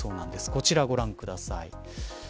こちら、ご覧ください。